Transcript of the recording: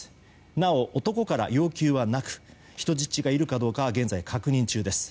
なお男から要求はなく人質がいるかどうかは現在確認中です。